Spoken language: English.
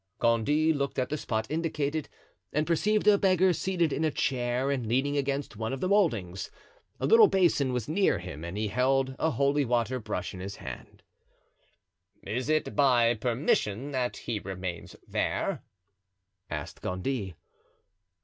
Gondy looked at the spot indicated and perceived a beggar seated in a chair and leaning against one of the moldings; a little basin was near him and he held a holy water brush in his hand. "Is it by permission that he remains there?" asked Gondy.